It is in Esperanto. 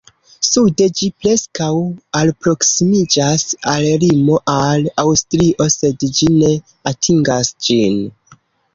Sude ĝi preskaŭ alproksimiĝas al limo al Aŭstrio, sed ĝi ne atingas ĝin.